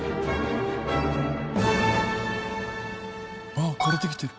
あっ枯れてきてる。